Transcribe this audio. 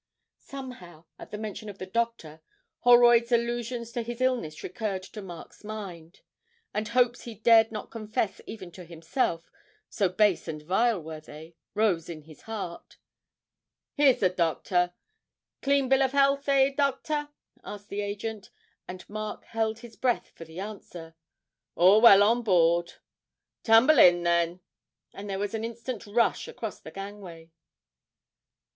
Somehow, at the mention of the doctor, Holroyd's allusions to his illness recurred to Mark's mind, and hopes he dared not confess even to himself, so base and vile were they, rose in his heart. 'Here's the doctor; clean bill of health, eh, doctor?' asked the agent and Mark held his breath for the answer. 'All well on board.' 'Tumble in, then;' and there was an instant rush across the gangway.